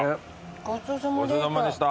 ごちそうさまでした。